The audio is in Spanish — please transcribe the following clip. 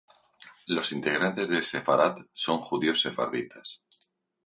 Los integrantes de Sefarad son judíos sefarditas.